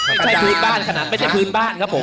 อาเก่ไม่ใช่พื้นบ้านครับผม